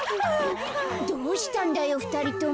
どうしたんだよふたりとも。